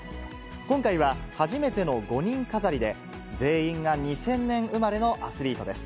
今回は初めての五人飾りで全員が２０００年生まれのアスリートです。